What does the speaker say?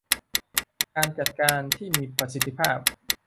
การจัดการที่มีประสิทธิภาพ